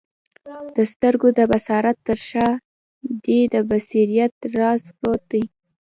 د سترګو د بصارت تر شاه دي د بصیرت راز پروت دی